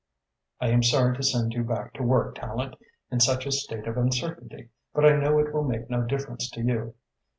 I am sorry to send you back to work, Tallente, in such a state of uncertainty, but I know it will make no difference to you.